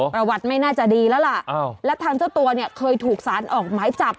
ประวัติไม่น่าจะดีแล้วล่ะและทางเจ้าตัวเนี่ยเคยถูกสารออกหมายจับ